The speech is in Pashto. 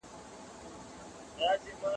زه به هره جمعه له خپلو دوستانو سره ناسته کوم.